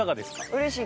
うれしい。